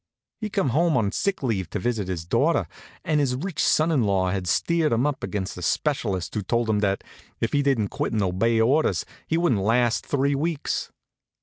He'd come home on sick leave to visit his daughter, and his rich son in law had steered him up against a specialist who told him that if he didn't quit and obey orders he wouldn't last three weeks.